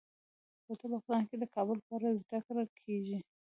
په ټول افغانستان کې د کابل په اړه زده کړه کېږي.